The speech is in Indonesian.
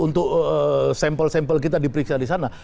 untuk sampel sampel kita diperiksa di sana